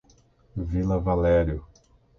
Vila Valério